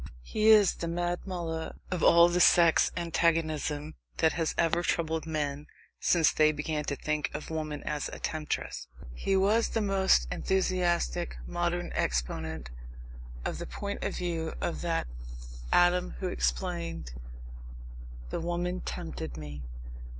He is the Mad Mullah of all the sex antagonism that has ever troubled men since they began to think of woman as a temptress. He was the most enthusiastic modern exponent of the point of view of that Adam who explained: "The woman tempted me."